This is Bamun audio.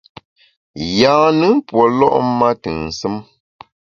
Yâ-nùn pue lo’ ma ntù nsùm.